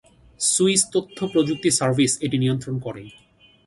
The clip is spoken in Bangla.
সুইস তথ্য প্রযুক্তি সার্ভিস এটি নিয়ন্ত্রণ করে।